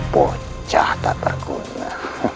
bocah tak terguna